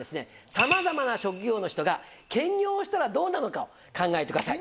さまざまな職業の人が兼業したらどうなるのかを考えてください。